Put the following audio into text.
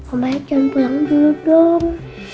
omanya jangan pulang dulu dong